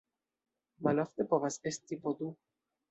Malofte povas esti po du.